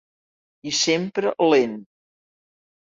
I sempre lent.